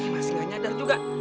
masih gak nyadar juga